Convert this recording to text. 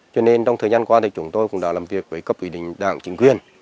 cho nên trong thời gian qua chúng tôi cũng đã làm việc với các quy định đảng chính quyền